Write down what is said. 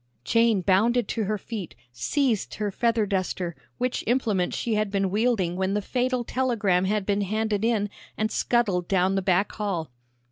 Jane bounded to her feet, seized her feather duster, which implement she had been wielding when the fatal telegram had been handed in, and scuttled down the back hall.